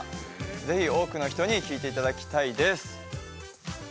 ぜひ多くの人に聞いていただきたいです！